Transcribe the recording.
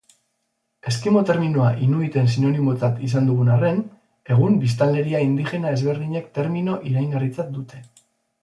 Eskimo terminoa Inuiten sinonimotzat izan dugun arren, egun biztanleria indigena ezberdinek termino iraingarritzat dute.